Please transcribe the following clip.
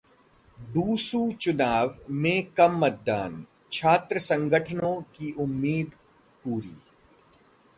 DUSU चुनाव में कम मतदान, छात्र संगठनों को उम्मीद पूरी